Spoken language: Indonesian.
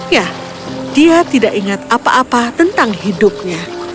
ya dia tidak ingat apa apa tentang hidupnya